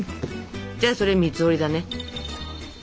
じゃあそれ三つ折りだね。